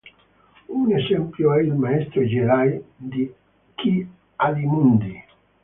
Un esempio è il maestro Jedi Ki-Adi-Mundi.